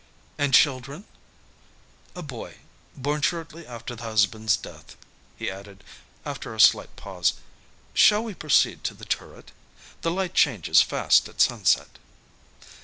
"And children?" "A boy. Born shortly after the husband's death," he added, after a slight pause. "Shall we proceed to the turret? The light changes fast at sunset."